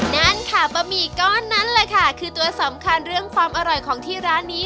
นั่นค่ะบะหมี่ก้อนนั้นแหละค่ะคือตัวสำคัญเรื่องความอร่อยของที่ร้านนี้